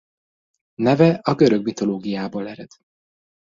Neve a görög mitológiából ered.